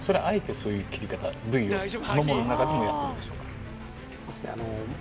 そういう切り方部位をももの中でもやってるんでしょうか？